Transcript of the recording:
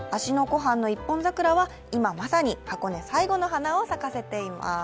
湖畔の一本桜は今まさに箱根最後の花を咲かせています。